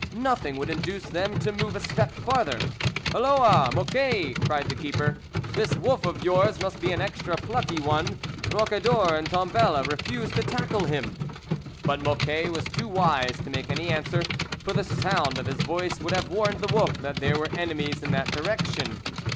Nothing would in duce them to move a step further. " Halloa, Mocquet !" cried the keeper, "this wolf of yours must be an extra plucky one, Rocador and Tombelle refuse to tackle him." But Mocquet was too wise to make any answer, for the sound of his voice would have warned the wolf that there were enemies in that direction.